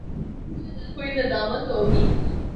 کوئی ندامت ہو گی؟